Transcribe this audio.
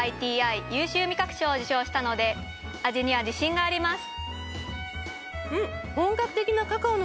ＩＴＩ優秀味覚賞を受賞したので味には自信があります。